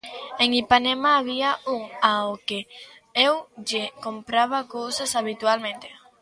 En Ipanema había un ao que eu lle compraba cousas habitualmente.